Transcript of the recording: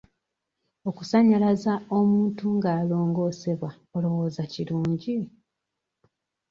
Okusannyalaza omuntu nga alongoosebwa olowooza kirungi?